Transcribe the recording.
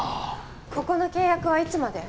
ここの契約はいつまで？